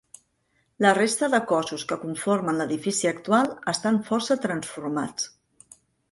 La resta de cossos que conformen l'edifici actual estan força transformats.